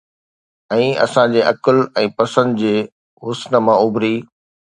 ۽ اسان جي عقل ۽ پسند جي حسن مان اڀري